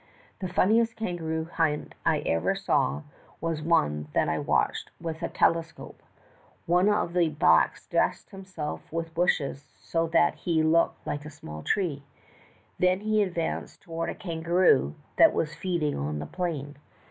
"The funniest kangaroo hunt I ever saw was one that I watched with a telescope. One of the blacks dressed himself with bushes, so that h^ 244 THE TALKING HANDKERCHIEF. looked like a small tree. Then he advanced toward a kangaroo that was feeding on the plain.